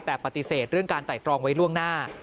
แต่ปฏิเสธเรื่องการไต่ตรองไว้ล่วงหน้า